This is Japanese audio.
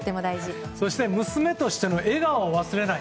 そして娘としての笑顔を忘れない。